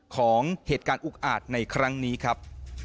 ของเหตุการณ์อุกอาจในครั้งนี้ครับ